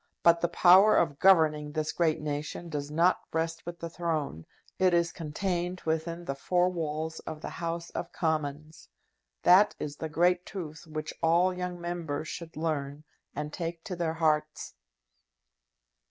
But the power of governing this great nation does not rest with the throne. It is contained within the four walls of the House of Commons. That is the great truth which all young Members should learn, and take to their hearts."